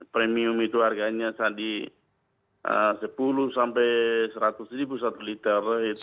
premium itu harganya saat di sepuluh sampai seratus satu liter